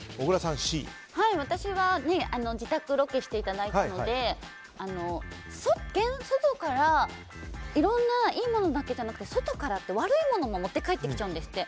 私は自宅をロケしていただいたので外からいろんないいものだけじゃなくて外からって悪いものも持って帰ってきちゃうんですって。